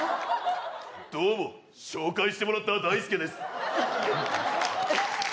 どうも、紹介してもらったダイスケです。